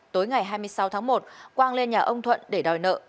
tối ngày hai mươi sáu tháng một quang lên nhà ông thuận để đòi nợ